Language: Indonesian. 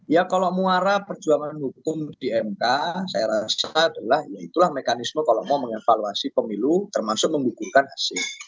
ya kalau muara perjuangan hukum di mk saya rasa adalah ya itulah mekanisme kalau mau mengevaluasi pemilu termasuk membukukan hasil